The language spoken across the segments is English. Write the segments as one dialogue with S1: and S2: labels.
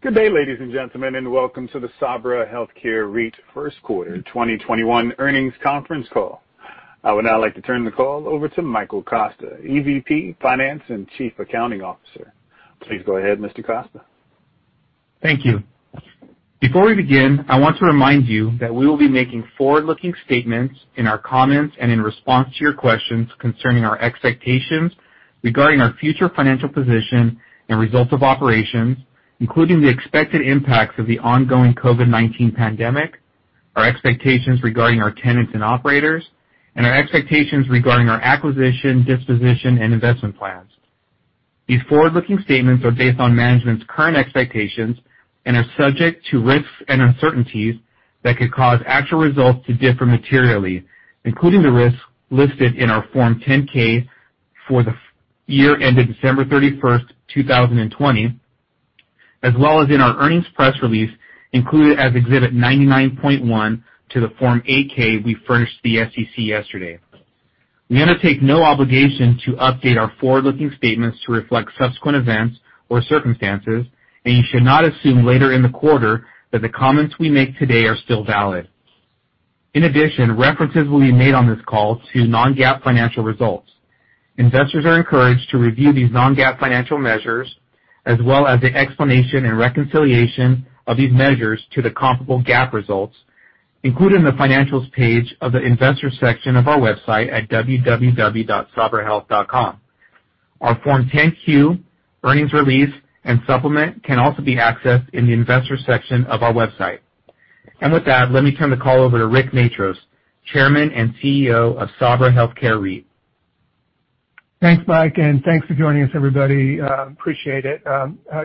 S1: Good day, ladies and gentlemen, welcome to the Sabra Health Care REIT First Quarter 2021 Earnings Conference Call. I would now like to turn the call over to Michael Costa, EVP Finance and Chief Accounting Officer. Please go ahead, Mr. Costa.
S2: Thank you. Before we begin, I want to remind you that we will be making forward-looking statements in our comments and in response to your questions concerning our expectations regarding our future financial position and results of operations, including the expected impacts of the ongoing COVID-19 pandemic, our expectations regarding our tenants and operators, and our expectations regarding our acquisition, disposition, and investment plans. These forward-looking statements are based on management's current expectations and are subject to risks and uncertainties that could cause actual results to differ materially, including the risks listed in our Form 10-K for the year ended December 31st, 2020, as well as in our earnings press release included as Exhibit 99.1 to the Form 8-K we furnished the SEC yesterday. We undertake no obligation to update our forward-looking statements to reflect subsequent events or circumstances, and you should not assume later in the quarter that the comments we make today are still valid. In addition, references will be made on this call to non-GAAP financial results. Investors are encouraged to review these non-GAAP financial measures, as well as the explanation and reconciliation of these measures to the comparable GAAP results included in the Financials page of the Investors section of our website at www.sabrahealth.com. Our Form 10-Q, earnings release, and supplement can also be accessed in the Investors section of our website. With that, let me turn the call over to Rick Matros, Chairman and CEO of Sabra Health Care REIT.
S3: Thanks, Mike, thanks for joining us, everybody. Appreciate it.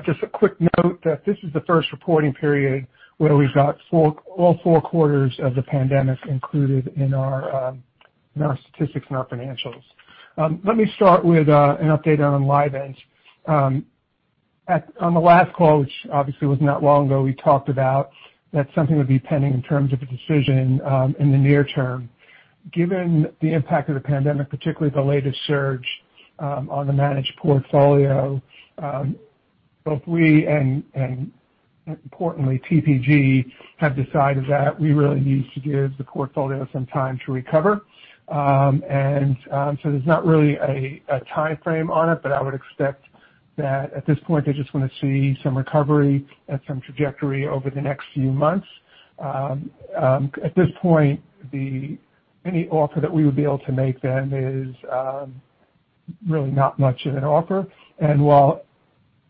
S3: Just a quick note that this is the first reporting period where we've got all four quarters of the pandemic included in our statistics and our financials. Let me start with an update on Enlivant. On the last call, which obviously was not long ago, we talked about that something would be pending in terms of a decision in the near term. Given the impact of the pandemic, particularly the latest surge, on the managed portfolio, both we and, importantly, TPG, have decided that we really need to give the portfolio some time to recover. So there's not really a timeframe on it, but I would expect that at this point they just want to see some recovery and some trajectory over the next few months. At this point, any offer that we would be able to make them is really not much of an offer. While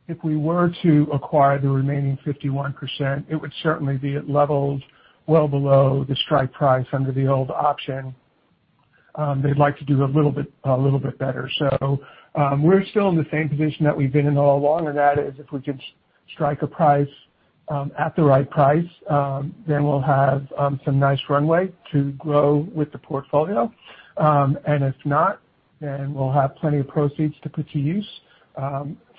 S3: if we were to acquire the remaining 51%, it would certainly be at levels well below the strike price under the old option. They'd like to do a little bit better. We're still in the same position that we've been in all along, and that is if we could strike a price at the right price, then we'll have some nice runway to grow with the portfolio. If not, then we'll have plenty of proceeds to put to use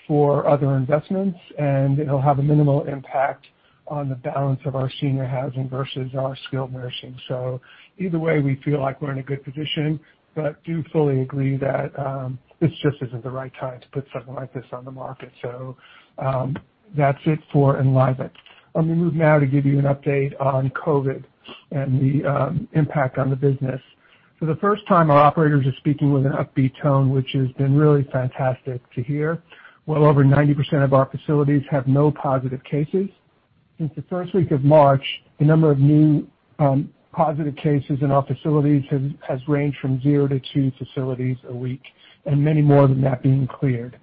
S3: for other investments, and it'll have a minimal impact on the balance of our senior housing versus our skilled nursing. Either way, we feel like we're in a good position, but do fully agree that this just isn't the right time to put something like this on the market. That's it for Enlivant. Let me move now to give you an update on COVID and the impact on the business. For the first time, our operators are speaking with an upbeat tone, which has been really fantastic to hear. Well over 90% of our facilities have no positive cases. Since the first week of March, the number of new positive cases in our facilities has ranged from zero to two facilities a week, and many more than that being cleared.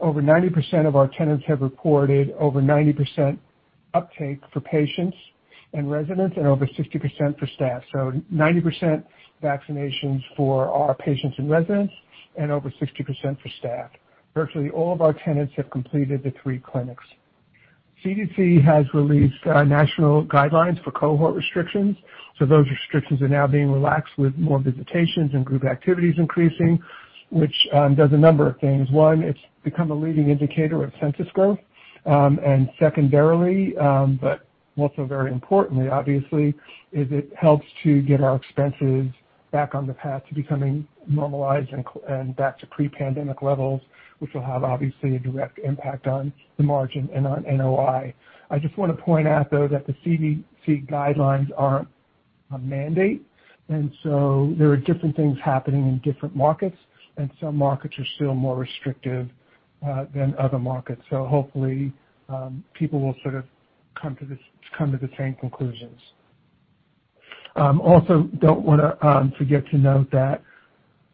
S3: Over 90% of our tenants have reported over 90% uptake for patients and residents and over 60% for staff. 90% vaccinations for our patients and residents and over 60% for staff. Virtually all of our tenants have completed the three clinics. CDC has released national guidelines for cohort restrictions. Those restrictions are now being relaxed, with more visitations and group activities increasing, which does a number of things. One, it's become a leading indicator of census growth. Secondarily, also very importantly, obviously, is it helps to get our expenses back on the path to becoming normalized and back to pre-pandemic levels, which will have, obviously, a direct impact on the margin and on NOI. I just want to point out, though, that the CDC guidelines aren't a mandate. There are different things happening in different markets, and some markets are still more restrictive than other markets. Hopefully, people will sort of come to the same conclusions. Don't want to forget to note that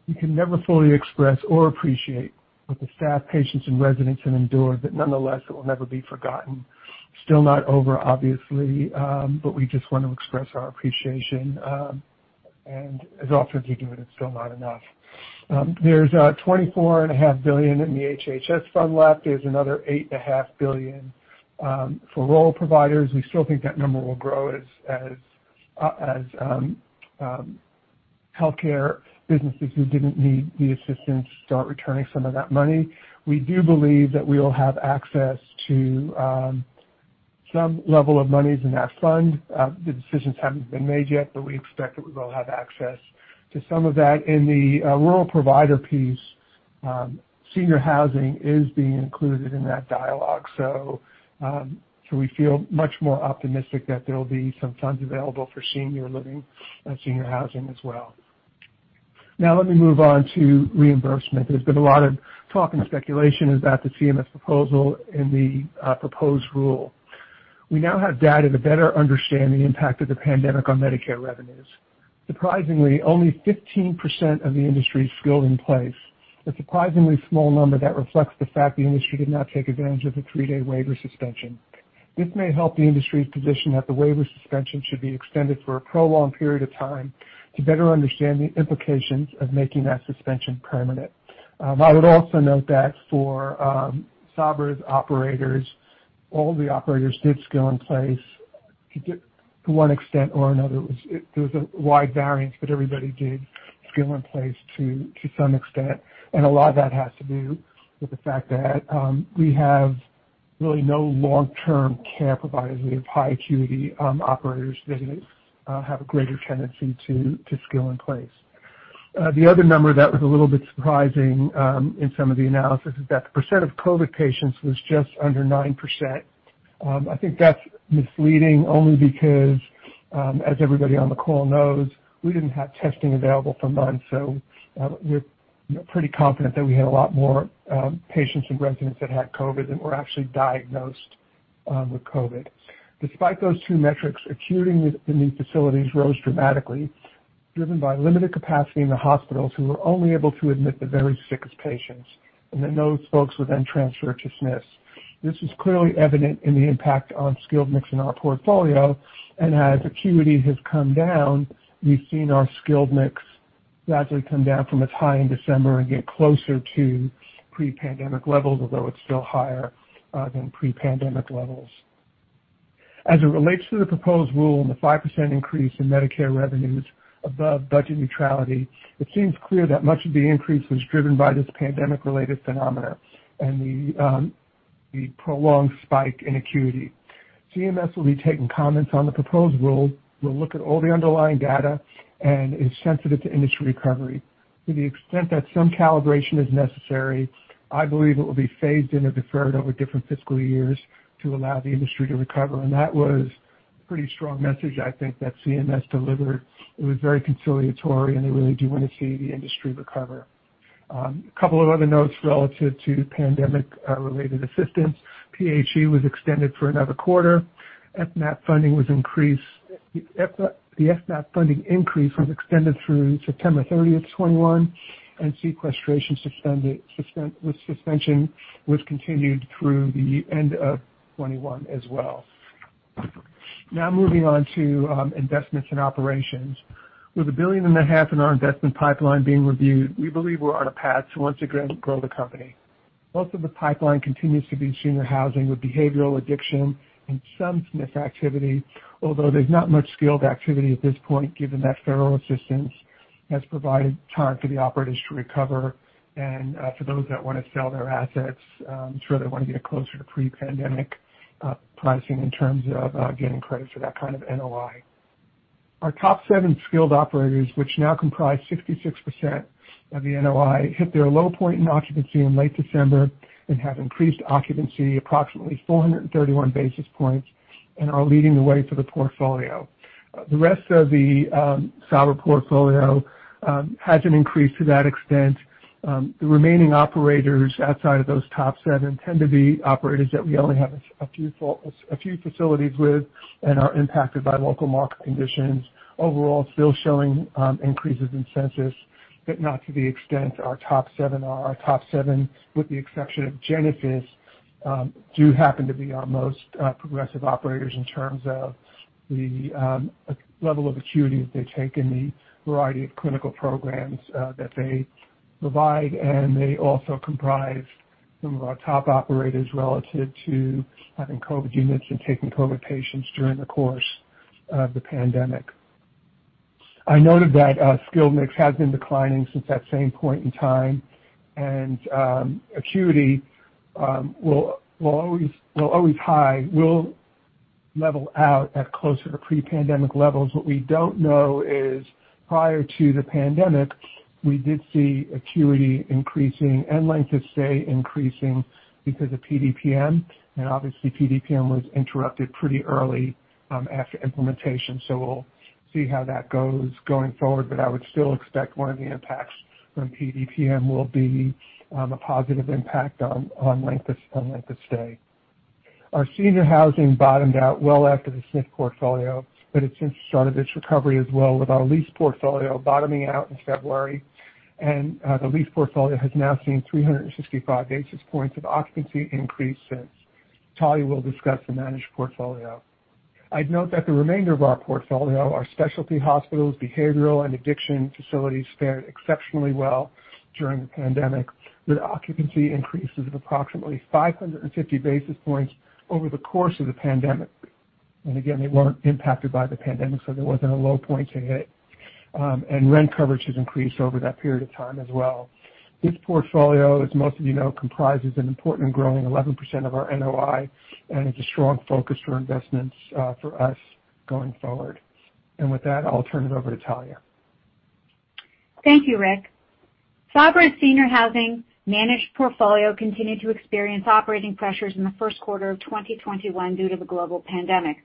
S3: we can never fully express or appreciate what the staff, patients, and residents have endured, but nonetheless, it will never be forgotten. Still not over, obviously, but we just want to express our appreciation. As often as we do, it is still not enough. There's $24.5 billion in the HHS fund left. There's another $8.5 billion for rural providers. We still think that number will grow as healthcare businesses who didn't need the assistance start returning some of that money. We do believe that we will have access to some level of monies in that fund. The decisions haven't been made yet, but we expect that we will have access to some of that. In the rural provider piece, senior housing is being included in that dialogue. We feel much more optimistic that there'll be some funds available for senior living and senior housing as well. Let me move on to reimbursement. There's been a lot of talk and speculation about the CMS proposal in the proposed rule. We now have data to better understand the impact of the pandemic on Medicare revenues. Surprisingly, only 15% of the industry skilled-in-place, a surprisingly small number that reflects the fact the industry did not take advantage of the three-day waiver suspension. This may help the industry's position that the waiver suspension should be extended for a prolonged period of time to better understand the implications of making that suspension permanent. I would also note that for Sabra's operators, all the operators did skilled-in-place, to one extent or another. There was a wide variance, but everybody did skilled-in-place to some extent. A lot of that has to do with the fact that we have really no long-term care providers. We have high acuity operators that have a greater tendency to skilled-in-place. The other number that was a little bit surprising in some of the analysis is that the percent of COVID-19 patients was just under 9%. I think that's misleading only because, as everybody on the call knows, we didn't have testing available for months, so we're pretty confident that we had a lot more patients and residents that had COVID-19 than were actually diagnosed with COVID-19. Despite those two metrics, acuity in these facilities rose dramatically, driven by limited capacity in the hospitals who were only able to admit the very sickest patients, and then those folks were then transferred to SNFs. This is clearly evident in the impact on skilled mix in our portfolio. As acuity has come down, we've seen our skilled mix gradually come down from its high in December and get closer to pre-pandemic levels, although it's still higher than pre-pandemic levels. As it relates to the proposed rule and the 5% increase in Medicare revenues above budget neutrality, it seems clear that much of the increase was driven by this pandemic-related phenomena and the prolonged spike in acuity. CMS will be taking comments on the proposed rule. We'll look at all the underlying data and is sensitive to industry recovery. To the extent that some calibration is necessary, I believe it will be phased in or deferred over different fiscal years to allow the industry to recover. That was pretty strong message, I think, that CMS delivered. It was very conciliatory, and they really do want to see the industry recover. A couple of other notes relative to pandemic-related assistance. PHE was extended for another quarter. FMAP funding was increased. The FMAP funding increase was extended through September 30th 2021. Sequestration suspension was continued through the end of 2021 as well. Now moving on to investments in operations. With a billion and a half in our investment pipeline being reviewed, we believe we're on a path to once again grow the company. Most of the pipeline continues to be senior housing with behavioral addiction and some SNF activity, although there's not much skilled activity at this point, given that federal assistance has provided time for the operators to recover and for those that want to sell their assets, I'm sure they want to get closer to pre-pandemic pricing in terms of getting credit for that kind of NOI. Our top seven skilled operators, which now comprise 66% of the NOI, hit their low point in occupancy in late December and have increased occupancy approximately 431 basis points and are leading the way for the portfolio. The rest of the Sabra portfolio hasn't increased to that extent. The remaining operators outside of those top seven tend to be operators that we only have a few facilities with and are impacted by local market conditions. Overall, still showing increases in census, but not to the extent our top seven are. Our top seven, with the exception of Genesis, do happen to be our most progressive operators in terms of the level of acuity that they take and the variety of clinical programs that they provide. They also comprise some of our top operators relative to having COVID units and taking COVID patients during the course of the pandemic. I noted that skilled mix has been declining since that same point in time. Acuity will level out at closer to pre-pandemic levels. What we don't know is, prior to the pandemic, we did see acuity increasing and length of stay increasing because of PDPM. Obviously PDPM was interrupted pretty early after implementation. We'll see how that goes going forward. I would still expect one of the impacts from PDPM will be a positive impact on length of stay. Our senior housing bottomed out well after the SNF portfolio, but it's since started its recovery as well, with our lease portfolio bottoming out in February. The lease portfolio has now seen 365 basis points of occupancy increase since. Talya will discuss the managed portfolio. I'd note that the remainder of our portfolio, our specialty hospitals, behavioral and addiction facilities, fared exceptionally well during the pandemic, with occupancy increases of approximately 550 basis points over the course of the pandemic. Again, they weren't impacted by the pandemic, so there wasn't a low point to hit. Rent coverage has increased over that period of time as well. This portfolio, as most of you know, comprises an important growing 11% of our NOI, and it's a strong focus for investments for us going forward. With that, I'll turn it over to Talya.
S4: Thank you, Rick. Sabra's senior housing managed portfolio continued to experience operating pressures in the first quarter of 2021 due to the global pandemic.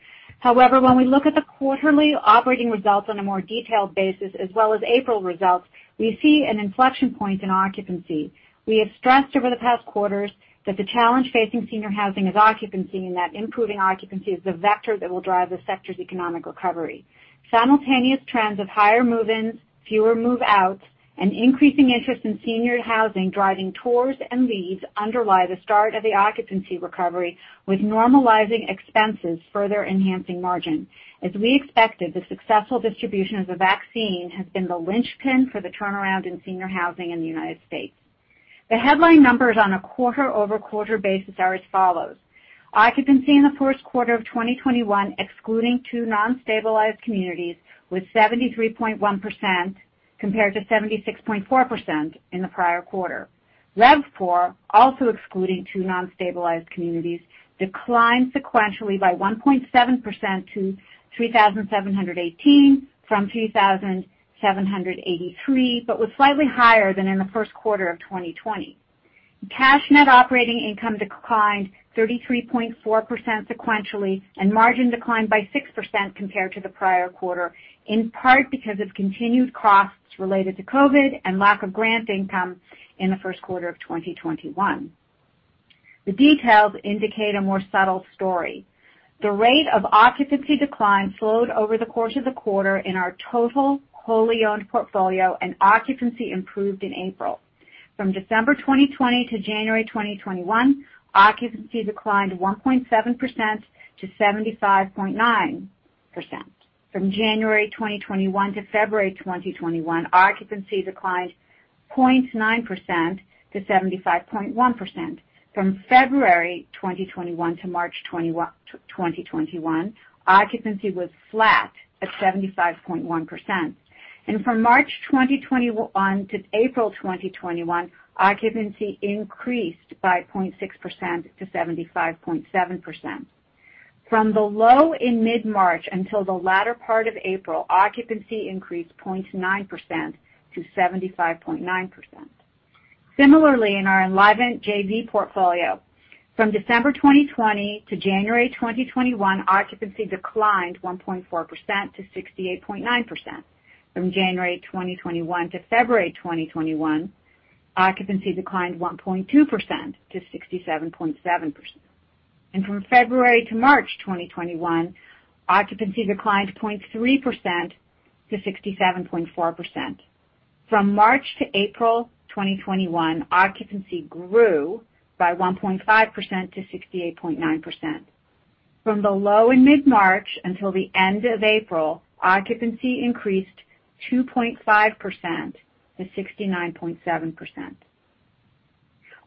S4: When we look at the quarterly operating results on a more detailed basis, as well as April results, we see an inflection point in occupancy. We have stressed over the past quarters that the challenge facing senior housing is occupancy, and that improving occupancy is the vector that will drive the sector's economic recovery. Simultaneous trends of higher move-ins, fewer move-outs, and increasing interest in senior housing driving tours and leads underlie the start of the occupancy recovery, with normalizing expenses further enhancing margin. As we expected, the successful distribution of the vaccine has been the linchpin for the turnaround in senior housing in the United States. The headline numbers on a quarter-over-quarter basis are as follows. Occupancy in the first quarter of 2021, excluding two non-stabilized communities, was 73.1% compared to 76.4% in the prior quarter. RevPOR, also excluding two non-stabilized communities, declined sequentially by 1.7% to $3,718 from $3,783, but was slightly higher than in the first quarter of 2020. Cash net operating income declined 33.4% sequentially, and margin declined by 6% compared to the prior quarter, in part because of continued costs related to COVID and lack of grant income in the first quarter of 2021. The details indicate a more subtle story. The rate of occupancy decline slowed over the course of the quarter in our total wholly owned portfolio, and occupancy improved in April. From December 2020 to January 2021, occupancy declined 1.7%-75.9%. From January 2021 to February 2021, occupancy declined 0.9%-75.1%. From February 2021 to March 2021, occupancy was flat at 75.1%. From March 2021 to April 2021, occupancy increased by 0.6%-75.7%. From the low in mid-March until the latter part of April, occupancy increased 0.9%-75.9%. Similarly, in our Enlivant JV portfolio, from December 2020 to January 2021, occupancy declined 1.4%-68.9%. From January 2021 to February 2021, occupancy declined 1.2%-67.7%. From February to March 2021, occupancy declined 0.3%-67.4%. From March to April 2021, occupancy grew by 1.5%-68.9%. From the low in mid-March until the end of April, occupancy increased 2.5%-69.7%.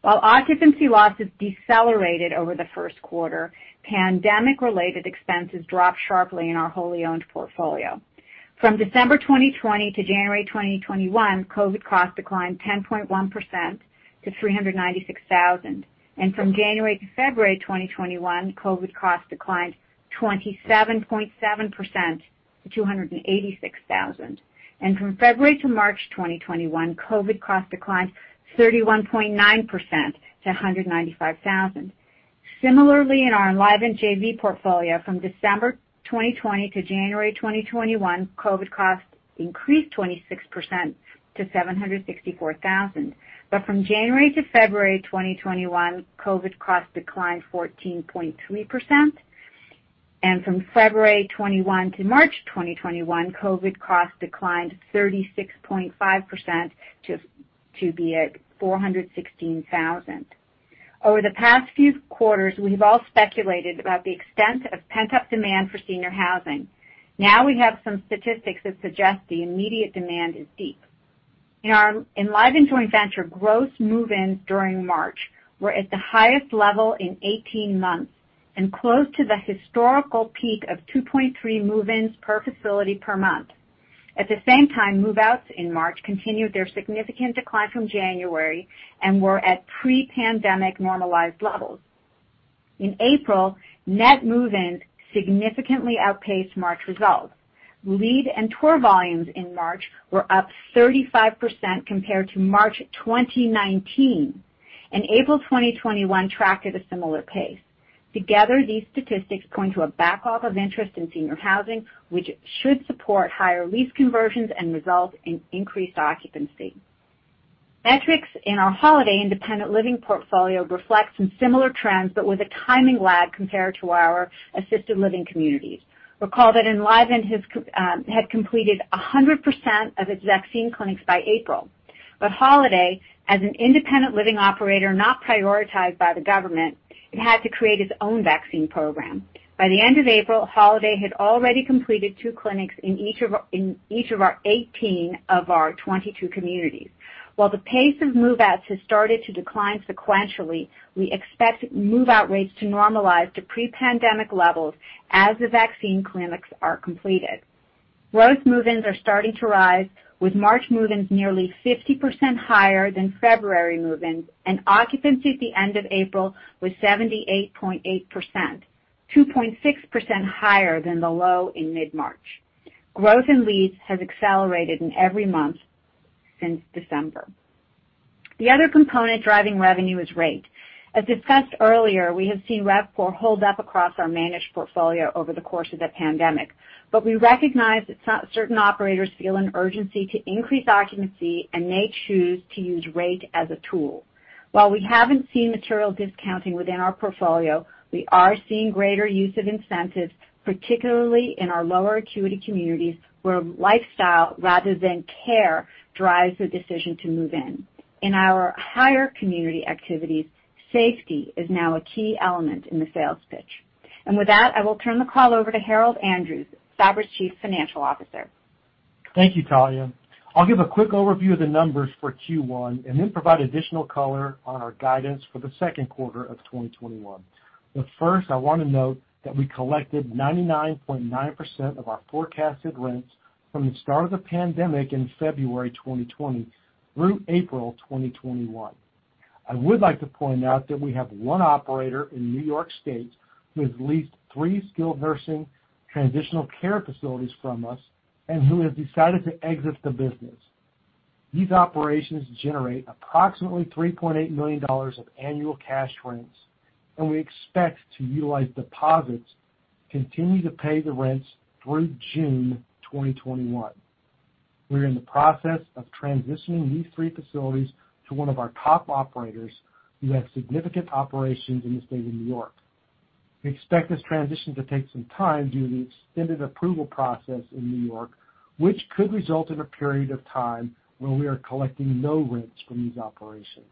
S4: While occupancy losses decelerated over the first quarter, pandemic related expenses dropped sharply in our wholly owned portfolio. From December 2020 to January 2021, COVID costs declined 10.1% to $396,000. From January to February 2021, COVID costs declined 27.7% to $286,000. From February to March 2021, COVID costs declined 31.9% to $195,000. Similarly, in our Enlivant JV portfolio, from December 2020 to January 2021, COVID costs increased 26% to $764,000. From January to February 2021, COVID costs declined 14.3%, and from February 2021 to March 2021, COVID costs declined 36.5% to be at $416,000. Over the past few quarters, we've all speculated about the extent of pent-up demand for senior housing. Now we have some statistics that suggest the immediate demand is deep. In our Enlivant joint venture, gross move-ins during March were at the highest level in 18 months and close to the historical peak of 2.3 move-ins per facility per month. At the same time, move-outs in March continued their significant decline from January and were at pre-pandemic normalized levels. In April, net move-ins significantly outpaced March results. Lead and tour volumes in March were up 35% compared to March 2019, and April 2021 tracked at a similar pace. Together, these statistics point to a backlog of interest in senior housing, which should support higher lease conversions and result in increased occupancy. Metrics in our Holiday Independent Living portfolio reflect some similar trends, but with a timing lag compared to our assisted living communities. Recall that Enlivant had completed 100% of its vaccine clinics by April. Holiday, as an independent living operator not prioritized by the government, it had to create its own vaccine program. By the end of April, Holiday had already completed two clinics in each of our 18 of our 22 communities. While the pace of move-outs has started to decline sequentially, we expect move-out rates to normalize to pre-pandemic levels as the vaccine clinics are completed. Gross move-ins are starting to rise, with March move-ins nearly 50% higher than February move-ins, and occupancy at the end of April was 78.8%, 2.6% higher than the low in mid-March. Growth in leads has accelerated in every month since December. The other component driving revenue is rate. As discussed earlier, we have seen RevPOR hold up across our managed portfolio over the course of the pandemic, but we recognize that certain operators feel an urgency to increase occupancy and may choose to use rate as a tool. While we haven't seen material discounting within our portfolio, we are seeing greater use of incentives, particularly in our lower acuity communities, where lifestyle rather than care drives the decision to move in. In our higher acuity communities, safety is now a key element in the sales pitch. With that, I will turn the call over to Harold Andrews, Sabra's Chief Financial Officer.
S5: Thank you, Talya. I'll give a quick overview of the numbers for Q1 and then provide additional color on our guidance for the second quarter of 2021. First, I want to note that we collected 99.9% of our forecasted rents from the start of the pandemic in February 2020 through April 2021. I would like to point out that we have one operator in New York State who has leased three skilled nursing transitional care facilities from us and who has decided to exit the business. These operations generate approximately $3.8 million of annual cash rents. We expect to utilize deposits to continue to pay the rents through June 2021. We are in the process of transitioning these three facilities to one of our top operators who has significant operations in the state of New York. We expect this transition to take some time due to the extended approval process in New York, which could result in a period of time when we are collecting no rents from these operations.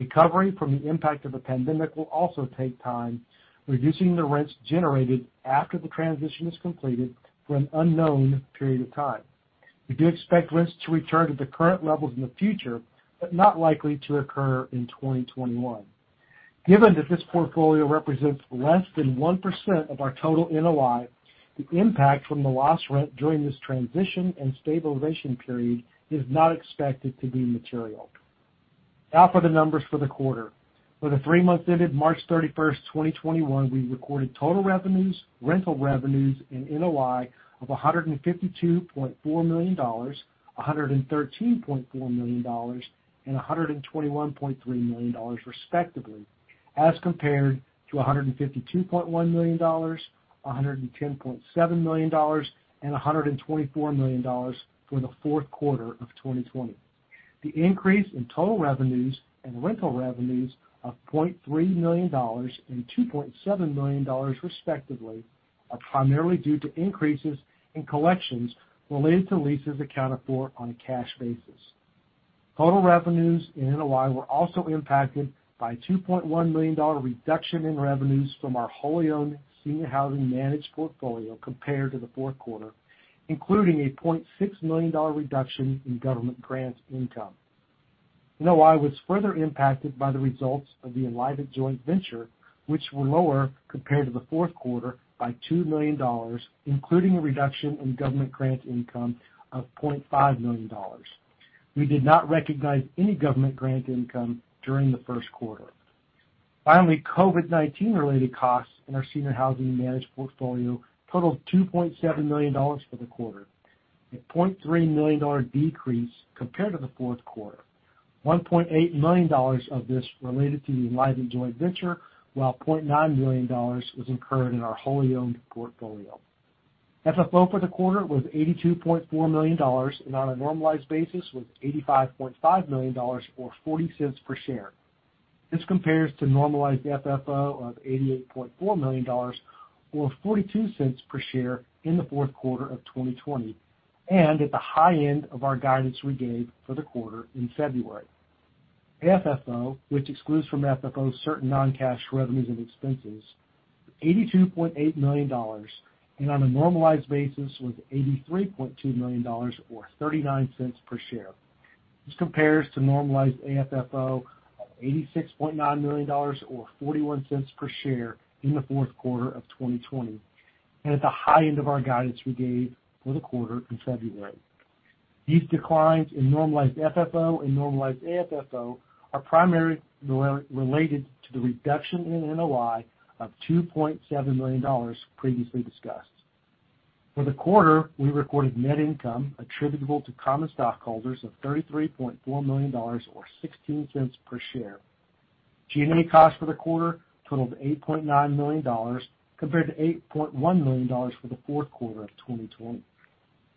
S5: Recovery from the impact of the pandemic will also take time, reducing the rents generated after the transition is completed for an unknown period of time. We do expect rents to return to the current levels in the future, but not likely to occur in 2021. Given that this portfolio represents less than 1% of our total NOI, the impact from the lost rent during this transition and stabilization period is not expected to be material. Now for the numbers for the quarter. For the three months ended March 31st, 2021, we recorded total revenues, rental revenues, and NOI of $152.4 million, $113.4 million, and $121.3 million, respectively, as compared to $152.1 million, $110.7 million, and $124 million for the fourth quarter of 2020. The increase in total revenues and rental revenues of $0.3 million and $2.7 million, respectively, are primarily due to increases in collections related to leases accounted for on a cash basis. Total revenues and NOI were also impacted by a $2.1 million reduction in revenues from our wholly owned senior housing managed portfolio compared to the fourth quarter, including a $0.6 million reduction in government grant income. NOI was further impacted by the results of the Enlivant Joint Venture, which were lower compared to the fourth quarter by $2 million, including a reduction in government grant income of $0.5 million. We did not recognize any government grant income during the first quarter. Finally, COVID-19 related costs in our senior housing managed portfolio totaled $2.7 million for the quarter, a $0.3 million decrease compared to the fourth quarter. $1.8 million of this related to the Enlivant Joint Venture, while $0.9 million was incurred in our wholly owned portfolio. FFO for the quarter was $82.4 million and on a normalized basis was $85.5 million, or $0.40 per share. This compares to normalized FFO of $88.4 million or $0.42 per share in the fourth quarter of 2020 and at the high end of our guidance we gave for the quarter in February. AFFO, which excludes from FFO certain non-cash revenues and expenses, was $82.8 million, and on a normalized basis was $83.2 million or $0.39 per share. This compares to normalized AFFO of $86.9 million or $0.41 per share in the fourth quarter of 2020 and at the high end of our guidance we gave for the quarter in February. These declines in normalized FFO and normalized AFFO are primarily related to the reduction in NOI of $2.7 million previously discussed. For the quarter, we recorded net income attributable to common stockholders of $33.4 million or $0.16 per share. G&A costs for the quarter totaled $8.9 million compared to $8.1 million for the fourth quarter of 2020.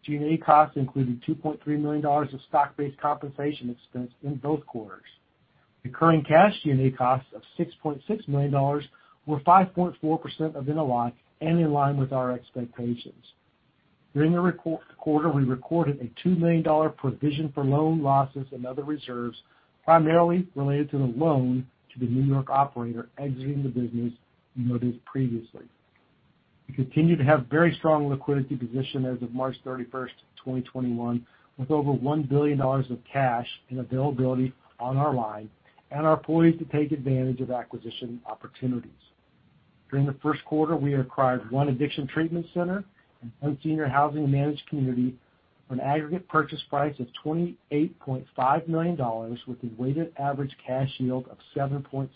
S5: G&A costs included $2.3 million of stock-based compensation expense in both quarters. Recurring cash G&A costs of $6.6 million were 5.4% of NOI and in line with our expectations. During the quarter, we recorded a $2 million provision for loan losses and other reserves, primarily related to the loan to the New York operator exiting the business we noted previously. We continue to have very strong liquidity position as of March 31st, 2021 with over $1 billion of cash and availability on our line and are poised to take advantage of acquisition opportunities. During the first quarter, we acquired one addiction treatment center and one senior housing managed community for an aggregate purchase price of $28.5 million with a weighted average cash yield of 7.7%.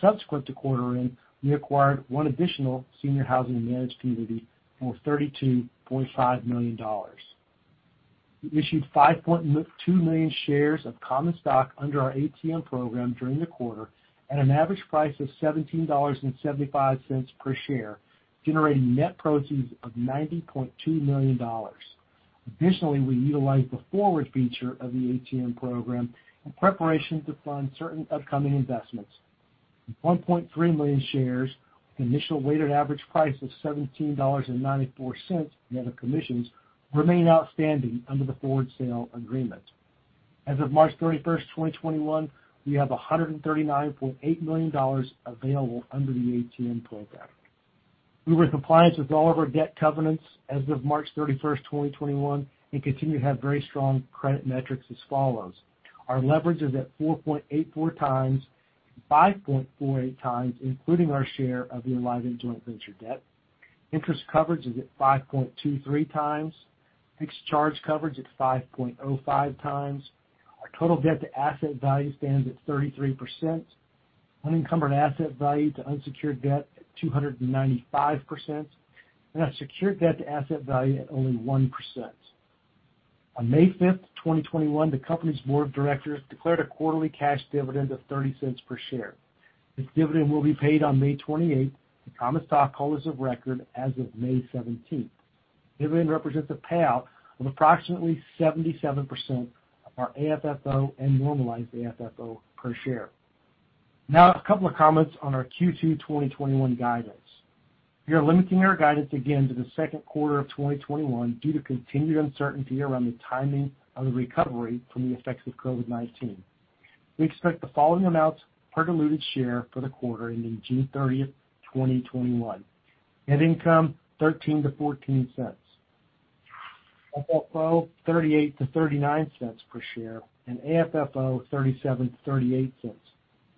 S5: Subsequent to quarter end, we acquired one additional senior housing managed community for $32.5 million. We issued 5.2 million shares of common stock under our ATM program during the quarter at an average price of $17.75 per share, generating net proceeds of $90.2 million. Additionally, we utilized the forward feature of the ATM program in preparation to fund certain upcoming investments. The 1.3 million shares with an initial weighted average price of $17.94, net of commissions, remain outstanding under the forward sale agreement. As of March 31st, 2021, we have $139.8 million available under the ATM program. We were in compliance with all of our debt covenants as of March 31st, 2021, and continue to have very strong credit metrics as follows. Our leverage is at 4.84x, 5.48x including our share of the Enlivant Joint Venture debt. Interest coverage is at 5.23x. Fixed charge coverage at 5.05x. Our total debt to asset value stands at 33%. Unencumbered asset value to unsecured debt at 295%, and our secured debt to asset value at only 1%. On May 5th, 2021, the company's board of directors declared a quarterly cash dividend of $0.30 per share. This dividend will be paid on May 28th to common stockholders of record as of May 17th. Dividend represents a payout of approximately 77% of our AFFO and normalized AFFO per share. A couple of comments on our Q2 2021 guidance. We are limiting our guidance again to the second quarter of 2021 due to continued uncertainty around the timing of the recovery from the effects of COVID-19. We expect the following amounts per diluted share for the quarter ending June 30th, 2021. Net income, $0.13-$0.14. FFO, $0.38-$0.39 per share, and AFFO $0.37-$0.38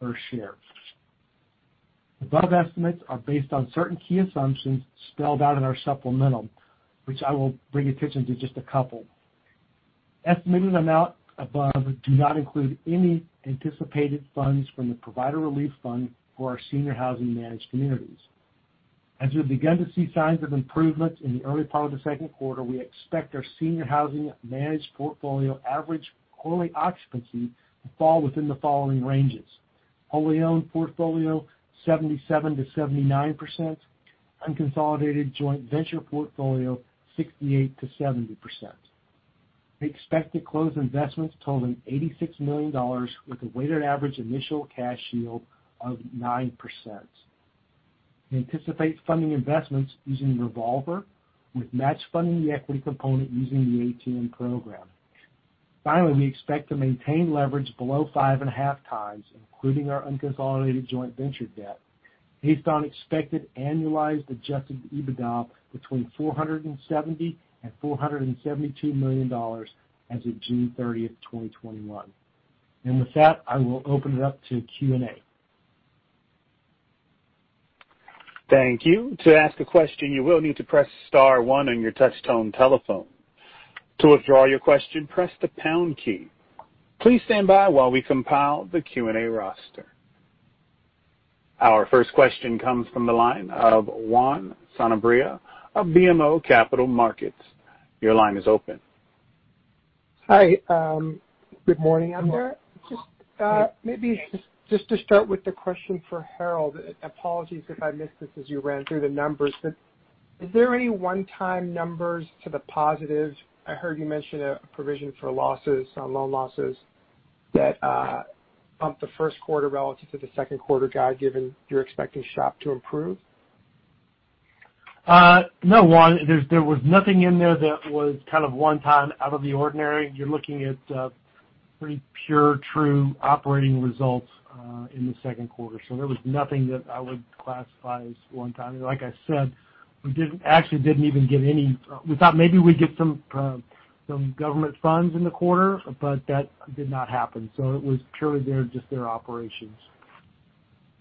S5: per share. The above estimates are based on certain key assumptions spelled out in our supplemental, which I will bring attention to just a couple. Estimated amount above do not include any anticipated funds from the Provider Relief Fund for our senior housing managed communities. As we begin to see signs of improvements in the early part of the second quarter, we expect our senior housing managed portfolio average quarterly occupancy to fall within the following ranges. Wholly owned portfolio, 77%-79%. Unconsolidated joint venture portfolio, 68%-70%. We expect to close investments totaling $86 million with a weighted average initial cash yield of 9%. We anticipate funding investments using revolver with match funding the equity component using the ATM program. We expect to maintain leverage below 5.5x, including our unconsolidated joint venture debt, based on expected annualized adjusted EBITDA between $470 million and $472 million as of June 30th, 2021. With that, I will open it up to Q&A.
S1: Thank you. To ask a question, you will need to press star one on your touch tone telephone. To withdraw your question, press the pound key. Please stand by while we compile the Q&A roster. Our first question comes from the line of Juan Sanabria of BMO Capital Markets. Your line is open.
S6: Hi. Good morning, everyone. Just maybe just to start with the question for Harold. Apologies if I missed this as you ran through the numbers, is there any one-time numbers to the positives? I heard you mention a provision for losses on loan losses that bumped the first quarter relative to the second quarter guide, given you're expecting SHOP to improve.
S5: No, Juan. There was nothing in there that was kind of one-time out of the ordinary. You're looking at pretty pure, true operating results in the second quarter. There was nothing that I would classify as one-time. Like I said, we actually didn't even get We thought maybe we'd get some government funds in the quarter, but that did not happen. It was purely just their operations.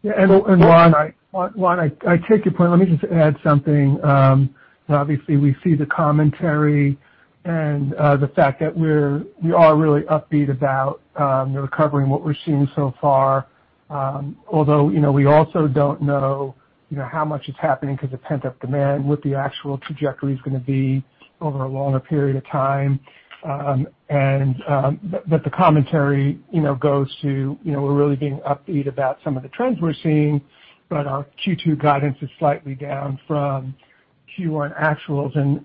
S3: Yeah, Juan, I take your point. Let me just add something. Obviously we see the commentary and the fact that we are really upbeat about the recovery and what we're seeing so far. We also don't know how much is happening because of pent-up demand, what the actual trajectory is going to be over a longer period of time. The commentary goes to, we're really being upbeat about some of the trends we're seeing, but our Q2 guidance is slightly down from Q1 actuals.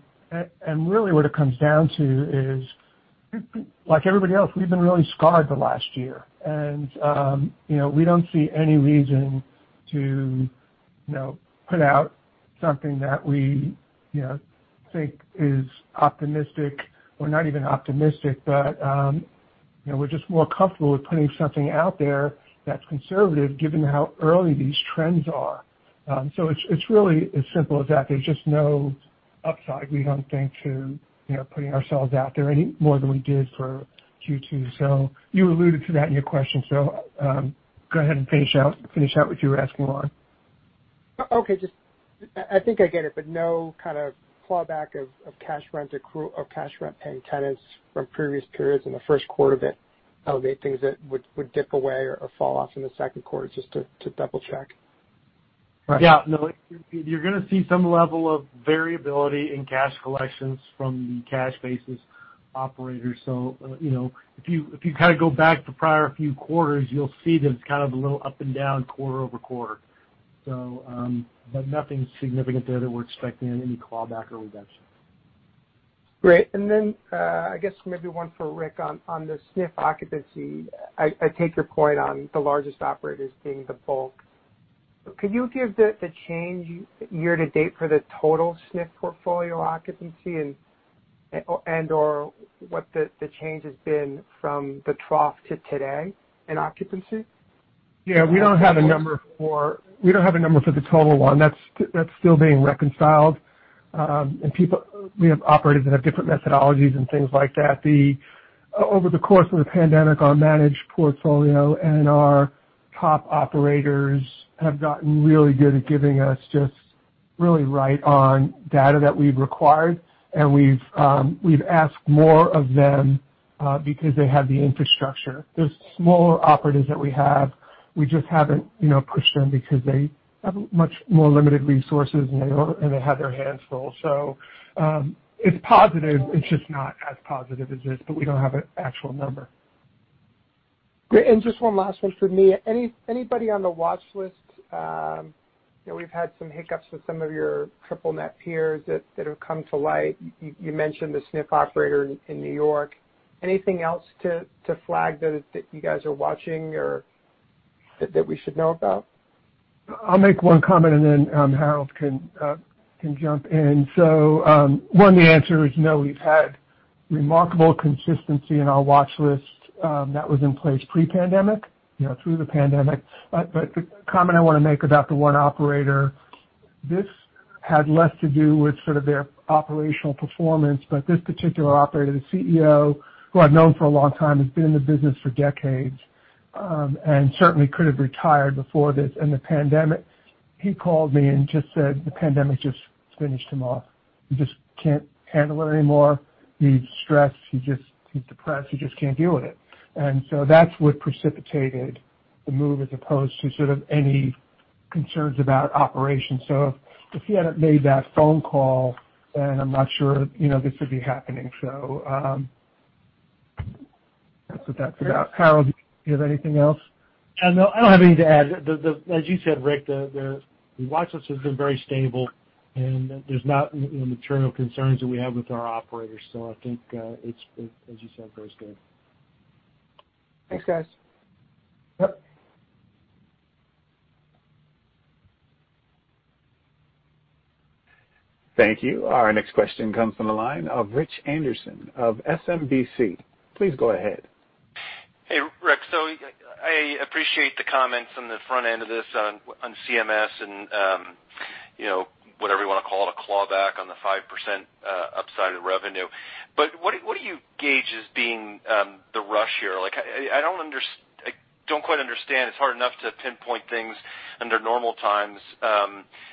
S3: Really what it comes down to is, like everybody else, we've been really scarred the last year. We don't see any reason to put out something that we think is optimistic or not even optimistic, but we're just more comfortable with putting something out there that's conservative given how early these trends are. It's really as simple as that. There's just no upside. We don't think to putting ourselves out there any more than we did for Q2. You alluded to that in your question, so go ahead and finish out what you were asking, Juan.
S6: Okay. I think I get it, but no kind of clawback of cash rent paying tenants from previous periods in the first quarter that elevate things that would dip away or fall off in the second quarter, just to double-check.
S5: Yeah, no. You're going to see some level of variability in cash collections from the cash basis operators. If you go back the prior few quarters, you'll see there's kind of a little up and down quarter-over-quarter. Nothing significant there that we're expecting any clawback or redemption.
S6: Great. I guess maybe one for Rick on the SNF occupancy. I take your point on the largest operators being the bulk. Could you give the change year-to-date for the total SNF portfolio occupancy and/or what the change has been from the trough to today in occupancy?
S3: Yeah. We don't have a number for the total one. That's still being reconciled. We have operators that have different methodologies and things like that. Over the course of the pandemic, our managed portfolio and our top operators have gotten really good at giving us just really right on data that we've required, and we've asked more of them because they have the infrastructure. The smaller operators that we have, we just haven't pushed them because they have much more limited resources, and they have their hands full. It's positive, it's just not as positive as this, but we don't have an actual number.
S6: Great, just one last one from me. Anybody on the watch list? We've had some hiccups with some of your triple net peers that have come to light. You mentioned the SNF operator in New York. Anything else to flag that you guys are watching or that we should know about?
S3: I'll make one comment, and then Harold can jump in. One, the answer is no. We've had remarkable consistency in our watch list that was in place pre-pandemic, through the pandemic. The comment I want to make about the one operator, this had less to do with sort of their operational performance, but this particular operator, the CEO, who I've known for a long time, has been in the business for decades, and certainly could have retired before this and the pandemic. He called me and just said the pandemic just finished him off. He just can't handle it anymore. He's stressed. He's depressed. He just can't deal with it. That's what precipitated the move as opposed to sort of any concerns about operations. If he hadn't made that phone call, then I'm not sure this would be happening. That's what that's about. Harold, do you have anything else?
S5: No, I don't have anything to add. As you said, Rick, the watch list has been very stable, and there's not any material concerns that we have with our operators. I think, as you said, very stable.
S6: Thanks, guys.
S3: Yep.
S1: Thank you. Our next question comes from the line of Rich Anderson of SMBC. Please go ahead.
S7: Hey, Rick. I appreciate the comments on the front end of this on CMS and whatever you want to call it, a clawback on the 5% upside of revenue. What do you gauge as being the rush here? I don't quite understand. It's hard enough to pinpoint things under normal times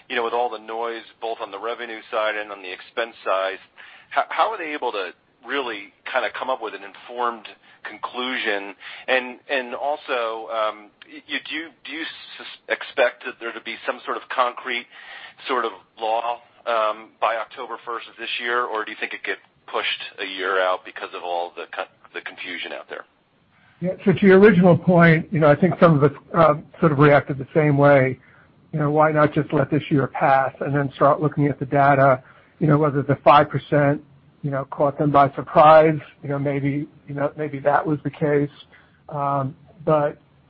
S7: with all the noise both on the revenue side and on the expense side. How are they able to really kind of come up with an informed conclusion? Also, do you expect there to be some sort of concrete sort of law by October 1st of this year, or do you think it gets pushed a year out because of all the confusion out there?
S3: To your original point, I think some of us sort of reacted the same way. Why not just let this year pass and then start looking at the data, whether the 5% caught them by surprise. Maybe that was the case.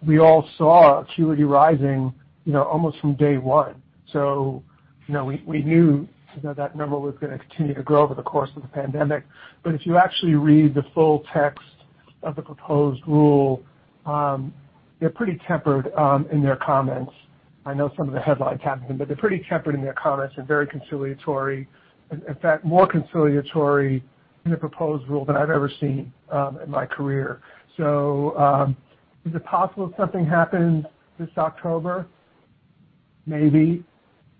S3: We all saw acuity rising almost from day one. We knew that number was going to continue to grow over the course of the pandemic. If you actually read the full text of the proposed rule, they're pretty tempered in their comments. I know some of the headlines happened, but they're pretty tempered in their comments and very conciliatory. In fact, more conciliatory in the proposed rule than I've ever seen in my career. Is it possible something happens this October? Maybe.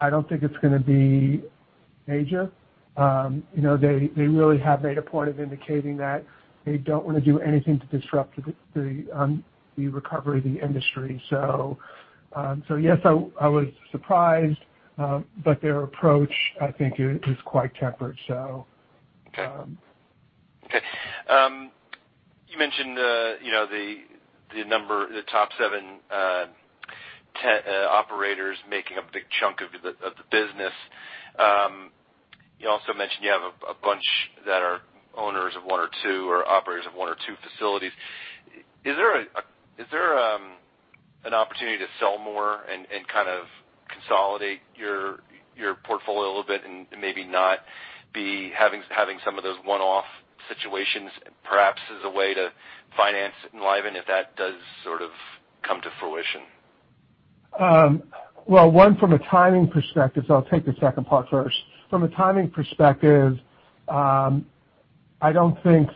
S3: I don't think it's going to be major. They really have made a point of indicating that they don't want to do anything to disrupt the recovery of the industry. Yes, I was surprised, but their approach, I think, is quite tempered.
S7: Okay. You mentioned the top seven operators making up a big chunk of the business. You also mentioned you have a bunch that are owners of one or two or operators of one or two facilities. Is there an opportunity to sell more and kind of consolidate your portfolio a little bit and maybe not be having some of those one-off situations perhaps as a way to finance Enlivant if that does sort of come to fruition?
S3: Well, one, from a timing perspective. I'll take the second part first. From a timing perspective, I don't think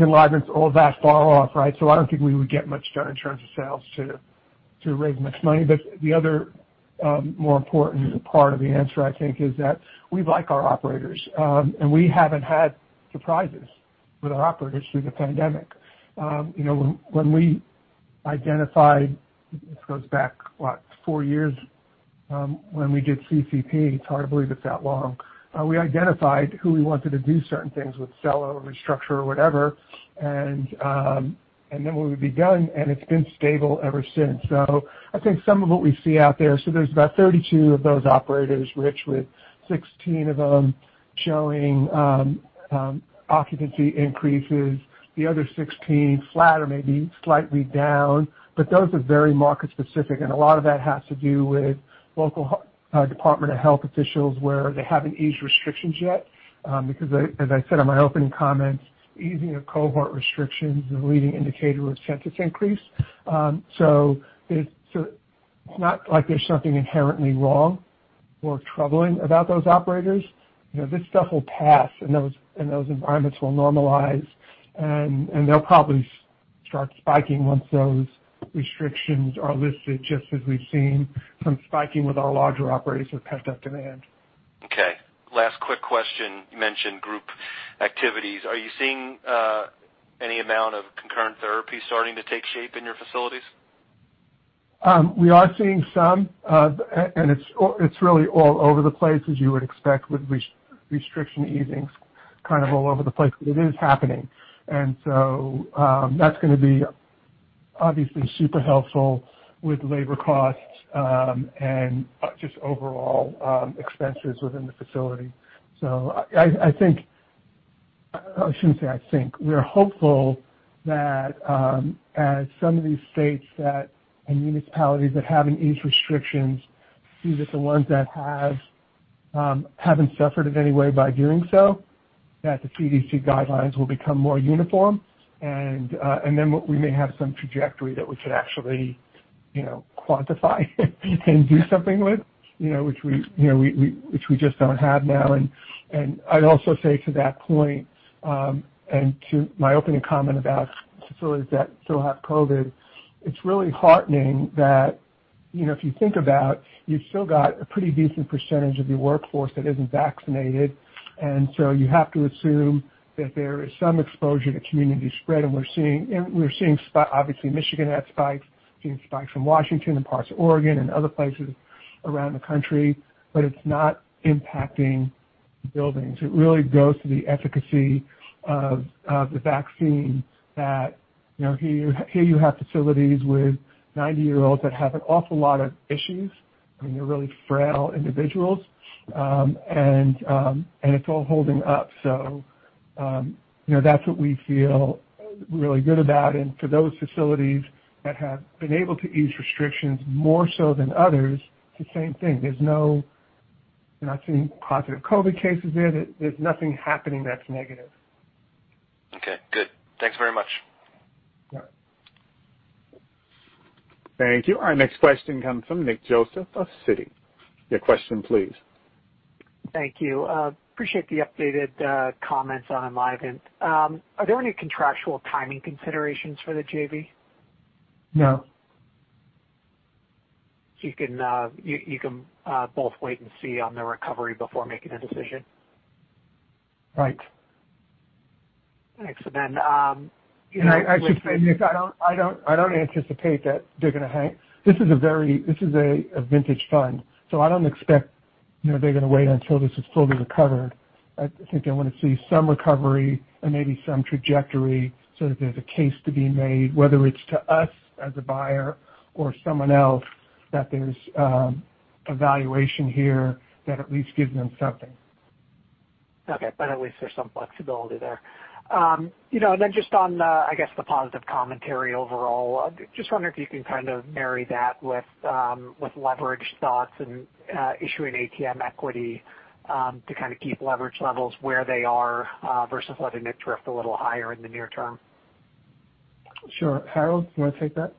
S3: Enlivant's all that far off, right? I don't think we would get much done in terms of sales to raise much money. The other, more important part of the answer, I think, is that we like our operators. We haven't had surprises with our operators through the pandemic. When we identified, this goes back, what, four years, when we did CCP, it's hard to believe it's that long, we identified who we wanted to do certain things with sell or restructure or whatever, and then what would be done, and it's been stable ever since. I think some of what we see out there, so there's about 32 of those operators, Rich, with 16 of them showing occupancy increases, the other 16 flat or maybe slightly down. Those are very market specific, and a lot of that has to do with local Department of Health officials, where they haven't eased restrictions yet. As I said in my opening comments, easing of cohort restrictions is a leading indicator of census increase. It's not like there's something inherently wrong or troubling about those operators. This stuff will pass, and those environments will normalize, and they'll probably start spiking once those restrictions are lifted, just as we've seen some spiking with our larger operators with pent-up demand.
S7: Okay. Last quick question. You mentioned group activities. Are you seeing any amount of concurrent therapy starting to take shape in your facilities?
S3: We are seeing some, and it's really all over the place, as you would expect with restriction easings kind of all over the place, but it is happening. That's going to be obviously super helpful with labor costs, and just overall expenses within the facility. I think-- I shouldn't say I think. We're hopeful that as some of these states and municipalities that haven't eased restrictions, these are the ones that haven't suffered in any way by doing so, that the CDC guidelines will become more uniform, and then we may have some trajectory that we could actually quantify and do something with, which we just don't have now. I'd also say to that point, to my opening comment about facilities that still have COVID, it's really heartening that, if you think about, you've still got a pretty decent percentage of your workforce that isn't vaccinated. You have to assume that there is some exposure to community spread. We're seeing obviously Michigan had spikes, seeing spikes from Washington and parts of Oregon and other places around the country. It's not impacting the buildings. It really goes to the efficacy of the vaccine that here you have facilities with 90-year-olds that have an awful lot of issues, I mean, they're really frail individuals, and it's all holding up. That's what we feel really good about. For those facilities that have been able to ease restrictions more so than others, it's the same thing. They're not seeing positive COVID cases there. There's nothing happening that's negative.
S7: Okay, good. Thanks very much.
S3: Yeah.
S1: Thank you. Our next question comes from Nick Joseph of Citi. Your question, please.
S8: Thank you. Appreciate the updated comments on Enlivant. Are there any contractual timing considerations for the JV?
S3: No.
S8: You can both wait and see on the recovery before making a decision?
S3: Right.
S8: Thanks.
S3: I should say, Nick, I don't anticipate that they're gonna hang. This is a vintage fund. I don't expect they're going to wait until this is fully recovered. I think they want to see some recovery and maybe some trajectory so that there's a case to be made, whether it's to us as a buyer or someone else, that there's a valuation here that at least gives them something.
S8: Okay. At least there's some flexibility there. Just on, I guess, the positive commentary overall, just wonder if you can kind of marry that with leverage thoughts and issuing ATM equity, to kind of keep leverage levels where they are, versus letting it drift a little higher in the near term.
S3: Sure. Harold, you want to take that?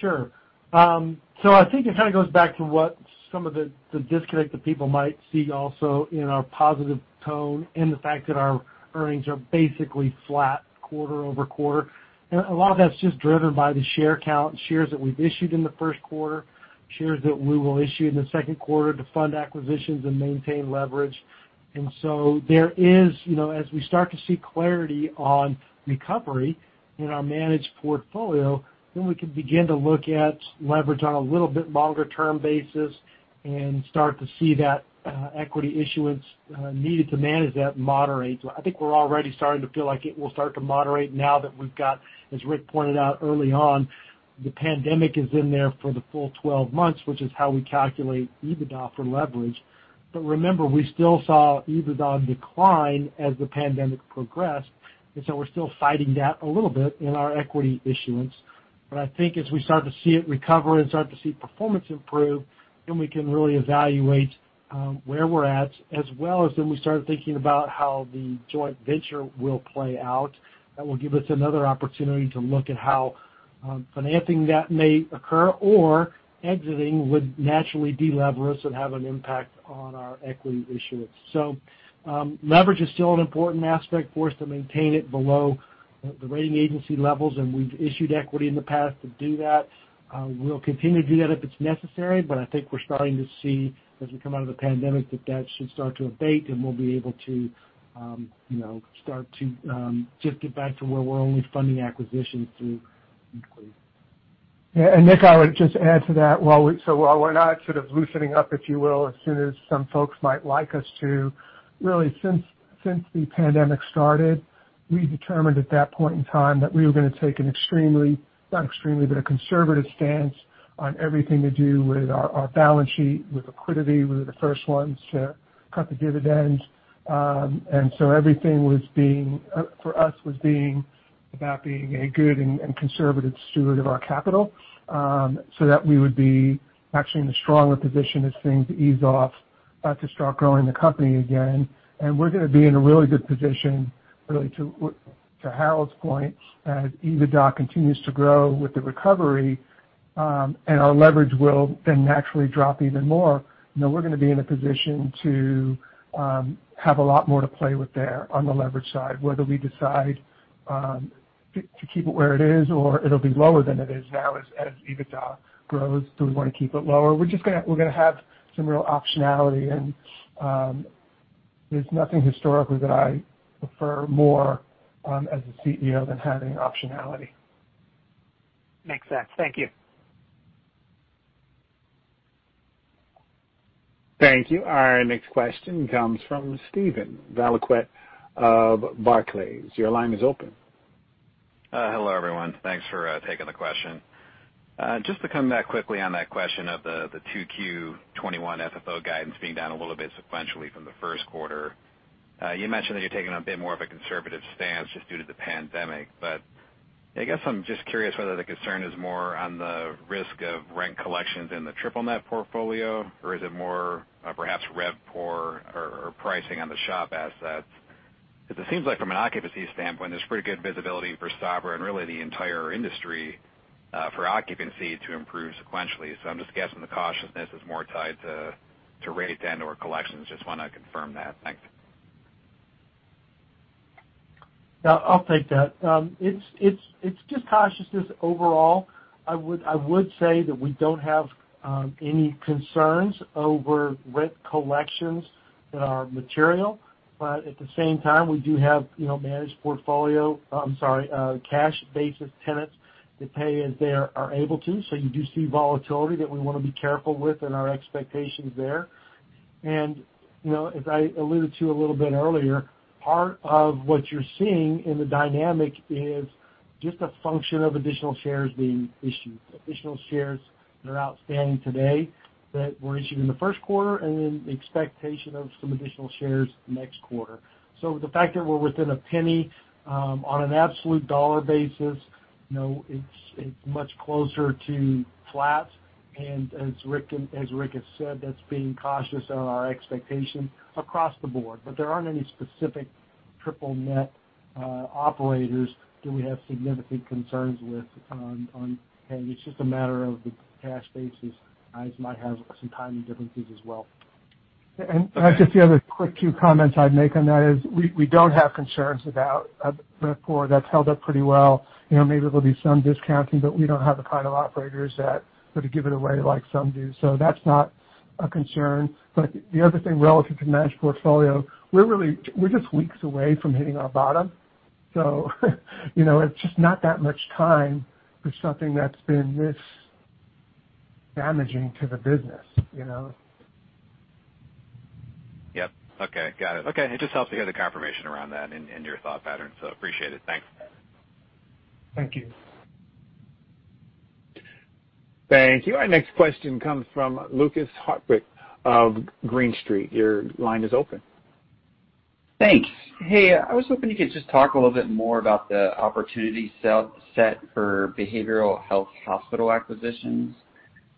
S5: Sure. I think it kind of goes back to what some of the disconnect that people might see also in our positive tone and the fact that our earnings are basically flat quarter-over-quarter. A lot of that's just driven by the share count, shares that we've issued in the first quarter, shares that we will issue in the second quarter to fund acquisitions and maintain leverage. There is, as we start to see clarity on recovery in our managed portfolio, then we can begin to look at leverage on a little bit longer term basis and start to see that equity issuance needed to manage that moderate. I think we're already starting to feel like it will start to moderate now that we've got, as Rick pointed out early on, the pandemic is in there for the full 12 months, which is how we calculate EBITDA for leverage. Remember, we still saw EBITDA decline as the pandemic progressed, and so we're still fighting that a little bit in our equity issuance. I think as we start to see it recover and start to see performance improve, then we can really evaluate where we're at, as well as then we start thinking about how the joint venture will play out. That will give us another opportunity to look at how financing that may occur or exiting would naturally de-lever us and have an impact on our equity issuance. Leverage is still an important aspect for us to maintain it below the rating agency levels, and we've issued equity in the past to do that. We'll continue to do that if it's necessary, but I think we're starting to see as we come out of the pandemic that that should start to abate, and we'll be able to start to just get back to where we're only funding acquisitions through equity.
S3: Yeah. Nick, I would just add to that. While we're not sort of loosening up, if you will, as soon as some folks might like us to. Really, since the pandemic started, we determined at that point in time that we were going to take an extremely, not extremely, but a conservative stance on everything to do with our balance sheet, with liquidity. We were the first ones to cut the dividends. Everything for us was about being a good and conservative steward of our capital, so that we would be actually in a stronger position as things ease off, to start growing the company again. We're going to be in a really good position really, to Harold's point, as EBITDA continues to grow with the recovery, and our leverage will then naturally drop even more. We're going to be in a position to have a lot more to play with there on the leverage side, whether we decide to keep it where it is, or it'll be lower than it is now. As EBITDA grows, do we want to keep it lower? We're going to have some real optionality, and there's nothing historically that I prefer more, as a CEO, than having optionality.
S8: Makes sense. Thank you.
S1: Thank you. Our next question comes from Steven Valiquette of Barclays. Your line is open.
S9: Hello, everyone. Thanks for taking the question. Just to come back quickly on that question of the 2Q 2021 FFO guidance being down a little bit sequentially from the first quarter. You mentioned that you're taking a bit more of a conservative stance just due to the pandemic. I guess I'm just curious whether the concern is more on the risk of rent collections in the triple net portfolio, or is it more perhaps RevPOR or pricing on the SHOP assets? It seems like from an occupancy standpoint, there's pretty good visibility for Sabra and really the entire industry, for occupancy to improve sequentially. I'm just guessing the cautiousness is more tied to rate and/or collections. Just want to confirm that. Thanks.
S5: No, I'll take that. It's just cautiousness overall. I would say that we don't have any concerns over rent collections that are material. At the same time, we do have managed portfolio I'm sorry, cash basis tenants that pay as they are able to. You do see volatility that we want to be careful with and our expectations there. As I alluded to a little bit earlier, part of what you're seeing in the dynamic is just a function of additional shares being issued, additional shares that are outstanding today that were issued in the first quarter, and then the expectation of some additional shares next quarter. The fact that we're within $0.01, on an absolute dollar basis, it's much closer to flat. As Rick has said, that's being cautious on our expectation across the board. There aren't any specific triple net operators that we have significant concerns with on paying. It's just a matter of the cash basis guys might have some timing differences as well.
S3: Just the other quick two comments I'd make on that is we don't have concerns about RevPOR. That's held up pretty well. Maybe there'll be some discounting, but we don't have the kind of operators that sort of give it away like some do. That's not a concern. The other thing relative to managed portfolio, we're just weeks away from hitting our bottom. It's just not that much time for something that's been this damaging to the business.
S9: Yep. Okay. Got it. Okay. It just helps to get the confirmation around that and your thought pattern, so appreciate it. Thanks.
S5: Thank you.
S1: Thank you. Our next question comes from Lukas Hartwich of Green Street. Your line is open.
S10: Thanks. Hey, I was hoping you could just talk a little bit more about the opportunity set for behavioral health hospital acquisitions.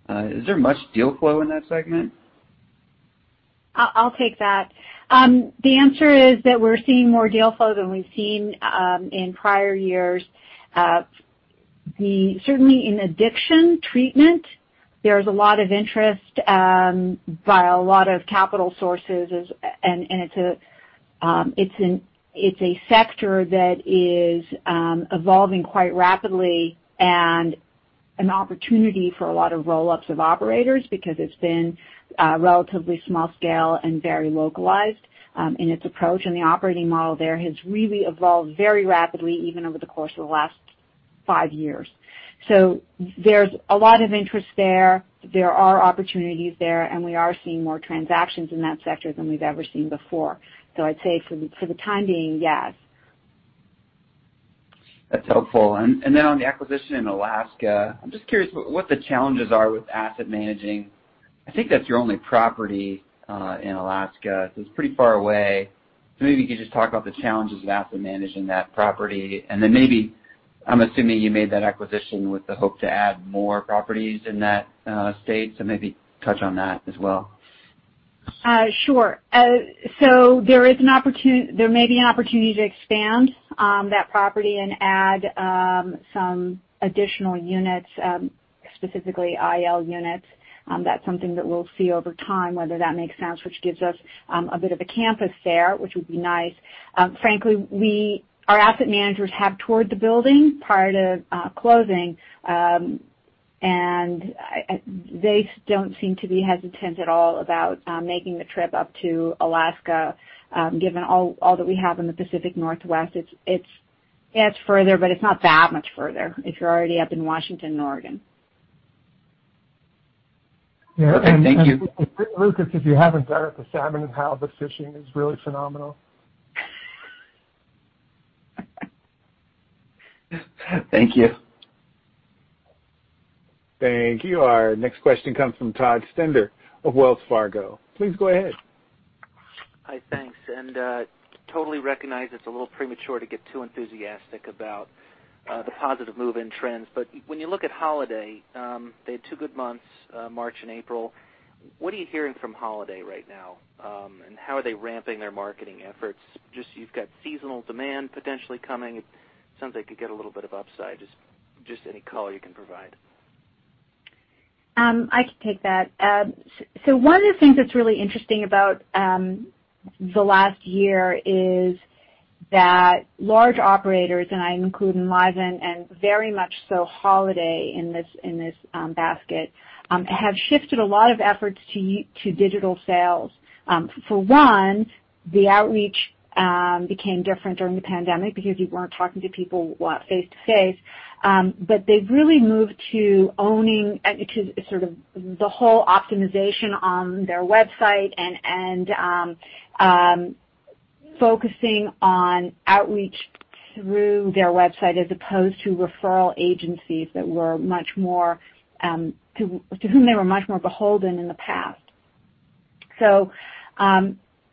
S10: Is there much deal flow in that segment?
S4: I'll take that. The answer is that we're seeing more deal flow than we've seen in prior years. Certainly in addiction treatment, there's a lot of interest by a lot of capital sources, and it's a sector that is evolving quite rapidly and an opportunity for a lot of roll-ups of operators because it's been relatively small scale and very localized in its approach. The operating model there has really evolved very rapidly, even over the course of the last five years. There's a lot of interest there. There are opportunities there, and we are seeing more transactions in that sector than we've ever seen before. I'd say for the time being, yes.
S10: That's helpful. Then on the acquisition in Alaska, I'm just curious what the challenges are with asset managing. I think that's your only property in Alaska, so it's pretty far away. Maybe you could just talk about the challenges of asset managing that property. Then maybe, I'm assuming you made that acquisition with the hope to add more properties in that state, so maybe touch on that as well.
S4: Sure. There may be an opportunity to expand that property and add some additional units, specifically IL units. That's something that we'll see over time, whether that makes sense, which gives us a bit of a campus there, which would be nice. Frankly, our asset managers have toured the building prior to closing, and they don't seem to be hesitant at all about making the trip up to Alaska. Given all that we have in the Pacific Northwest, it's further, but it's not that much further if you're already up in Washington and Oregon.
S3: Yeah.
S10: Okay. Thank you.
S3: Lukas, if you haven't been up to salmon and how the fishing is really phenomenal.
S10: Thank you.
S1: Thank you. Our next question comes from Todd Stender of Wells Fargo. Please go ahead.
S11: Hi, thanks. Totally recognize it's a little premature to get too enthusiastic about the positive move-in trends. When you look at Holiday, they had two good months, March and April. What are you hearing from Holiday right now? How are they ramping their marketing efforts? Just you've got seasonal demand potentially coming. It sounds like it could get a little bit of upside. Just any color you can provide.
S4: I can take that. One of the things that's really interesting about the last year is that large operators, and I include Enlivant and very much so Holiday in this basket, have shifted a lot of efforts to digital sales. For one, the outreach became different during the pandemic because you weren't talking to people face-to-face. They've really moved to owning, to sort of the whole optimization on their website and focusing on outreach through their website as opposed to referral agencies to whom they were much more beholden in the past.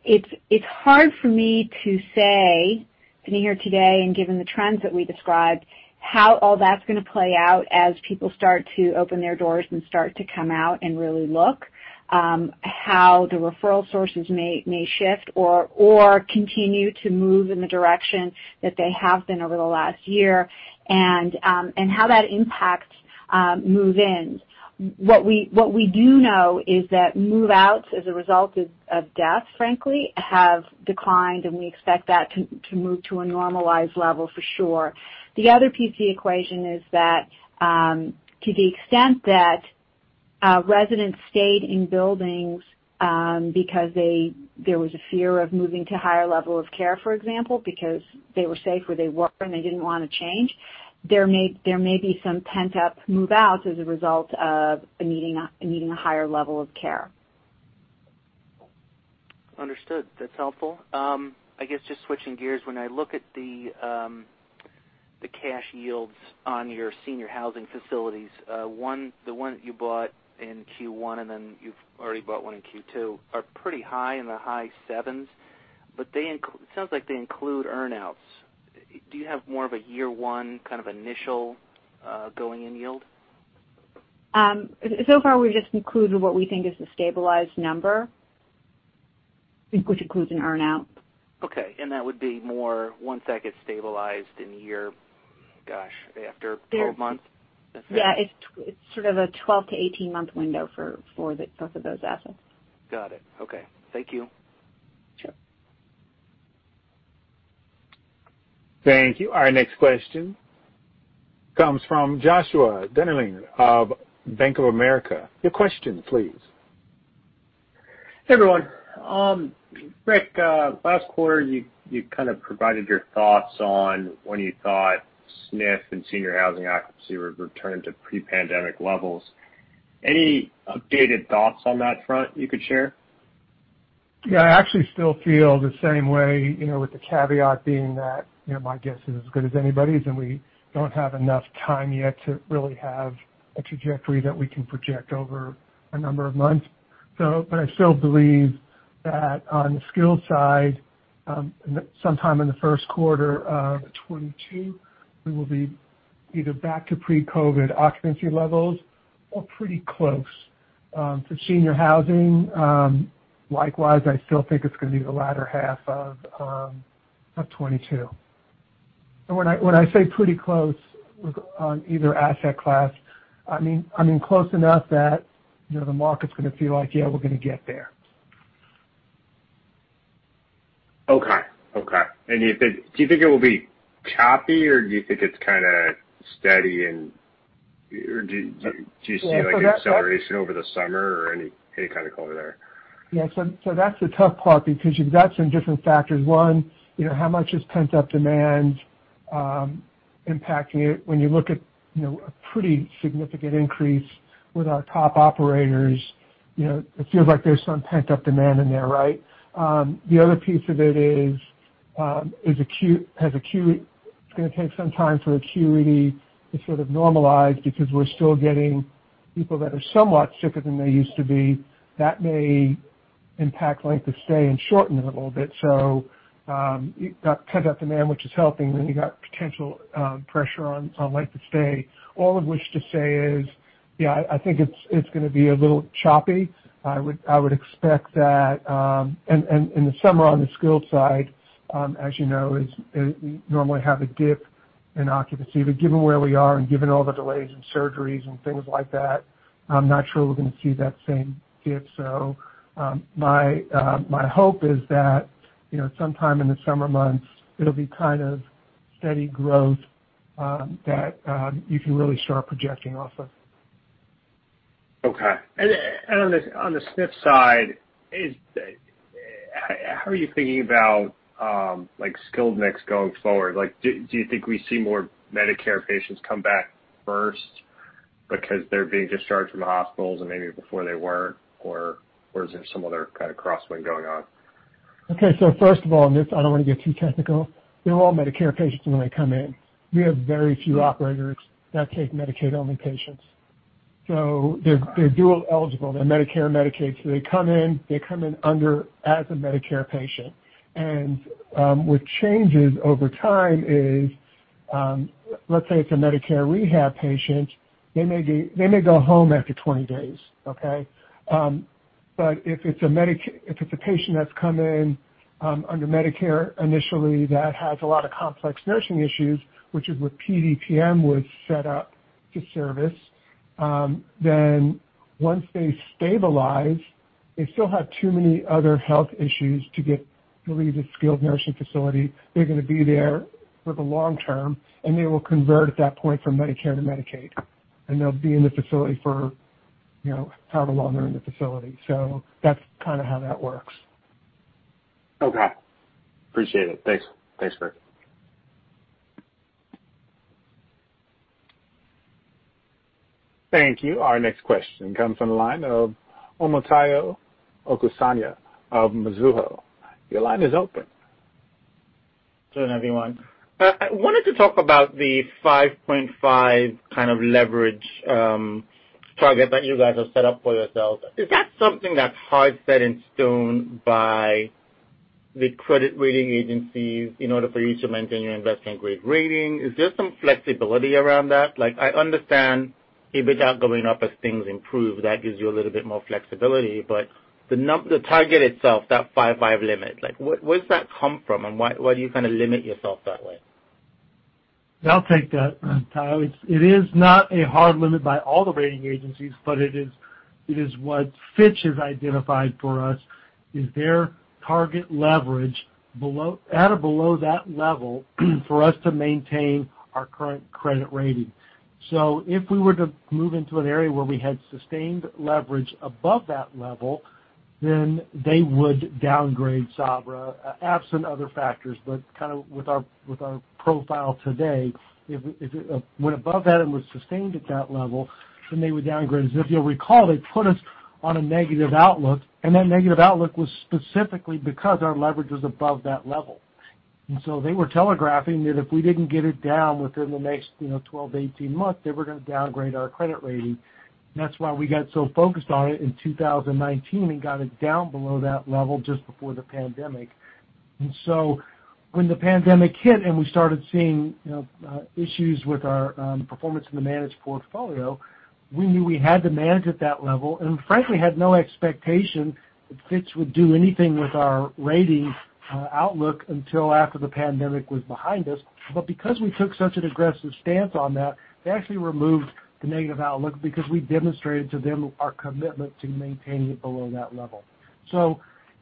S4: It's hard for me to say, sitting here today and given the trends that we described, how all that's going to play out as people start to open their doors and start to come out and really look, how the referral sources may shift or continue to move in the direction that they have been over the last year, and how that impacts move-ins. What we do know is that move-outs as a result of death, frankly, have declined, and we expect that to move to a normalized level for sure. The other piece of the equation is that, to the extent that residents stayed in buildings because there was a fear of moving to higher level of care, for example, because they were safe where they were and they didn't want to change, there may be some pent-up move-outs as a result of needing a higher level of care.
S11: Understood. That's helpful. I guess just switching gears, when I look at the cash yields on your senior housing facilities, the one that you bought in Q1 and then you've already bought one in Q2, are pretty high in the high 7s, but it sounds like they include earn-outs. Do you have more of a year one kind of initial going in yield?
S4: Far, we've just included what we think is the stabilized number, which includes an earn-out.
S11: Okay. That would be more once that gets stabilized in a year, gosh, after 12 months?
S4: Yeah. It's sort of a 12-18 month window for both of those assets.
S11: Got it. Okay. Thank you.
S4: Sure.
S1: Thank you. Our next question comes from Joshua Dennerlein of Bank of America. Your question please.
S12: Hey, everyone. Rick, last quarter, you kind of provided your thoughts on when you thought SNF and senior housing occupancy would return to pre-pandemic levels. Any updated thoughts on that front you could share?
S3: Yeah, I actually still feel the same way, with the caveat being that, my guess is as good as anybody's, and we don't have enough time yet to really have a trajectory that we can project over a number of months. I still believe that on the skilled side, sometime in the first quarter of 2022, we will be either back to pre-COVID occupancy levels or pretty close. For senior housing, likewise, I still think it's going to be the latter half of 2022. When I say pretty close on either asset class, I mean close enough that the market's going to feel like, yeah, we're going to get there.
S12: Okay. Do you think it will be choppy, or do you think it's kind of steady, or do you see like an acceleration over the summer or any kind of color there?
S3: Yeah. That's the tough part because you've got some different factors. One, how much is pent-up demand impacting it when you look at a pretty significant increase with our top operators, it feels like there's some pent-up demand in there, right? The other piece of it is it's going to take some time for acuity to sort of normalize because we're still getting people that are somewhat sicker than they used to be. That may impact length of stay and shorten it a little bit. You've got pent-up demand, which is helping, then you've got potential pressure on length of stay. All of which to say is, yeah, I think it's going to be a little choppy. I would expect that. In the summer, on the skilled side, as you know, we normally have a dip in occupancy. Given where we are and given all the delays in surgeries and things like that, I'm not sure we're going to see that same dip. My hope is that, sometime in the summer months, it'll be steady growth that you can really start projecting off of.
S12: Okay. On the SNF side, how are you thinking about skilled mix going forward? Do you think we see more Medicare patients come back first because they're being discharged from the hospitals and maybe before they weren't, or is there some other kind of crosswind going on?
S3: First of all on this, I don't want to get too technical. They're all Medicare patients when they come in. We have very few operators that take Medicaid-only patients. They're dual eligible. They're Medicare and Medicaid. They come in, they come in under as a Medicare patient. What changes over time is, let's say it's a Medicare rehab patient, they may go home after 20 days. Okay? If it's a patient that's come in under Medicare initially that has a lot of complex nursing issues, which is what PDPM was set up to service, then once they stabilize, they still have too many other health issues to get released at skilled nursing facility. They're going to be there for the long term, and they will convert at that point from Medicare to Medicaid, and they'll be in the facility for however long they're in the facility. That's kind of how that works.
S12: Okay. Appreciate it. Thanks, Rick.
S1: Thank you. Our next question comes from the line of Omotayo Okusanya of Mizuho. Your line is open.
S13: Good afternoon, everyone. I wanted to talk about the 5.5x kind of leverage target that you guys have set up for yourselves. Is that something that's hard set in stone by the credit rating agencies in order for you to maintain your investment-grade rating? Is there some flexibility around that? I understand EBITDA going up as things improve, that gives you a little bit more flexibility. The target itself, that 5.5x limit, where does that come from and why do you kind of limit yourself that way?
S5: I'll take that, Tayo. It is not a hard limit by all the rating agencies, but it is what Fitch has identified for us is their target leverage at or below that level for us to maintain our current credit rating. If we were to move into an area where we had sustained leverage above that level, then they would downgrade Sabra, absent other factors, but with our profile today, if it went above that and was sustained at that level, then they would downgrade us. If you'll recall, they put us on a negative outlook, and that negative outlook was specifically because our leverage was above that level. They were telegraphing that if we didn't get it down within the next 12, 18 months, they were going to downgrade our credit rating. That's why we got so focused on it in 2019 and got it down below that level just before the pandemic. When the pandemic hit and we started seeing issues with our performance in the managed portfolio, we knew we had to manage at that level, and frankly, had no expectation that Fitch would do anything with our ratings outlook until after the pandemic was behind us. Because we took such an aggressive stance on that, they actually removed the negative outlook because we demonstrated to them our commitment to maintaining it below that level.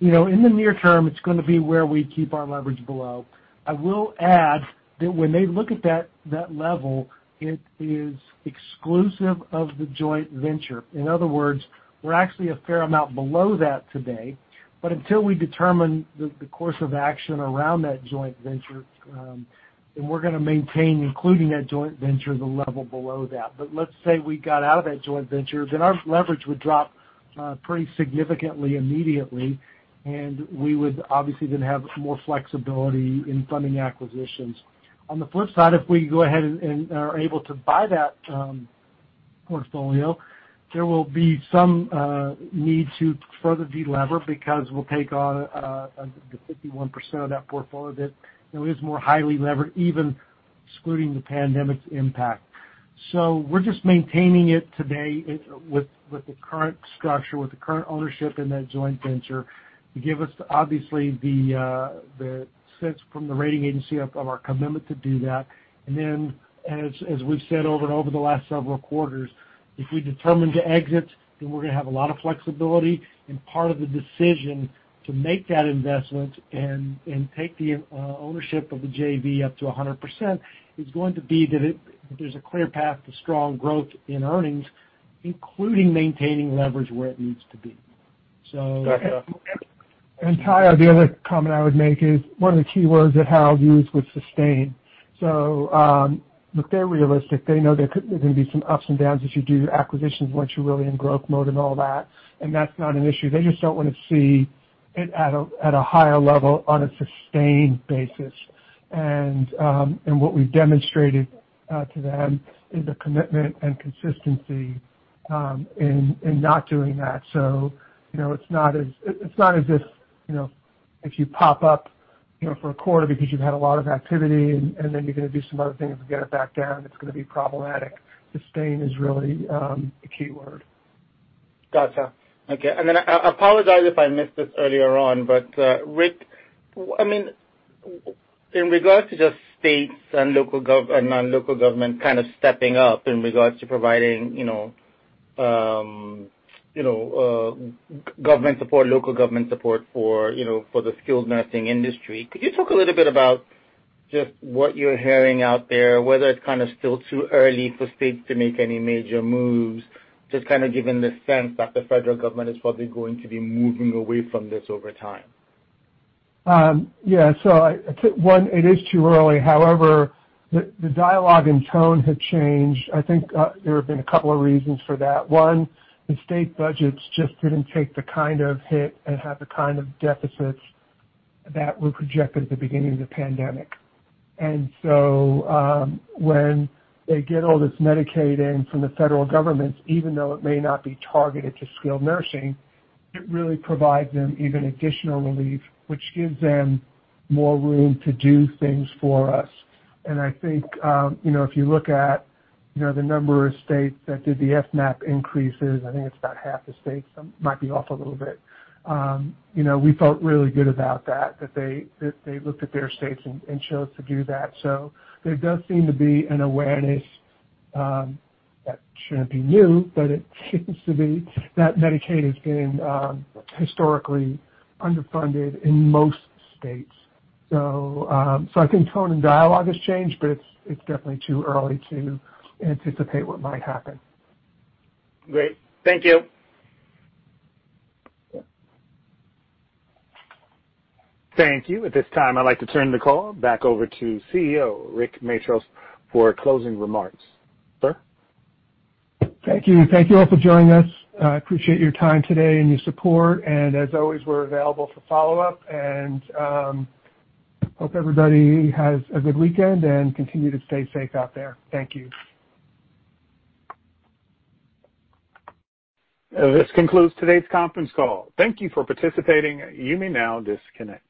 S5: In the near term, it's going to be where we keep our leverage below. I will add that when they look at that level, it is exclusive of the joint venture. In other words, we're actually a fair amount below that today, but until we determine the course of action around that joint venture, then we're going to maintain including that joint venture, the level below that. Let's say we got out of that joint venture, then our leverage would drop pretty significantly immediately, and we would obviously then have more flexibility in funding acquisitions. On the flip side, if we go ahead and are able to buy that portfolio, there will be some need to further de-lever because we'll take on the 51% of that portfolio that is more highly levered, even excluding the pandemic's impact. We're just maintaining it today with the current structure, with the current ownership in that joint venture, to give us, obviously, the sense from the rating agency of our commitment to do that. As we've said over and over the last several quarters, if we determine to exit, then we're going to have a lot of flexibility and part of the decision to make that investment and take the ownership of the JV up to 100% is going to be that there's a clear path to strong growth in earnings, including maintaining leverage where it needs to be.
S13: Gotcha.
S3: Tayo, the other comment I would make is, one of the keywords that Hal used was sustain. Look, they're realistic. They know there are going to be some ups and downs as you do acquisitions once you're really in growth mode and all that, and that's not an issue. They just don't want to see it at a higher level on a sustained basis. What we've demonstrated to them is a commitment and consistency in not doing that. It's not as if you pop up for a quarter because you've had a lot of activity, and then you're going to do some other things and get it back down, it's going to be problematic. Sustain is really the key word.
S13: Got you. Okay. I apologize if I missed this earlier on, but Rick, in regards to just states and local government kind of stepping up in regards to providing government support, local government support for the skilled nursing industry, could you talk a little bit about just what you're hearing out there, whether it's kind of still too early for states to make any major moves, just kind of given the sense that the federal government is probably going to be moving away from this over time?
S3: Yeah. One, it is too early. However, the dialogue and tone have changed. I think there have been a couple of reasons for that. One, the state budgets just didn't take the kind of hit and have the kind of deficits that were projected at the beginning of the pandemic. When they get all this Medicaid in from the federal government, even though it may not be targeted to skilled nursing, it really provides them even additional relief, which gives them more room to do things for us. I think, if you look at the number of states that did the FMAP increases, I think it's about half the states, might be off a little bit. We felt really good about that they looked at their states and chose to do that. There does seem to be an awareness, that shouldn't be new, but it seems to be, that Medicaid has been historically underfunded in most states. I think tone and dialogue has changed, but it's definitely too early to anticipate what might happen.
S13: Great. Thank you.
S3: Yeah.
S1: Thank you. At this time, I'd like to turn the call back over to CEO, Rick Matros, for closing remarks. Sir?
S3: Thank you. Thank you all for joining us. I appreciate your time today and your support. As always, we're available for follow-up. We hope everybody has a good weekend and continue to stay safe out there. Thank you.
S1: This concludes today's conference call. Thank you for participating. You may now disconnect.